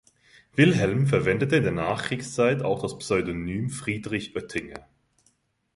Wilhelm verwendete in der Nachkriegszeit auch das Pseudonym Friedrich Oetinger.